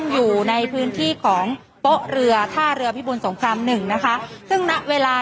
อยู่ถ้าเรือพิมส่งคำหนึ่งนะคะซึ่งณเวลา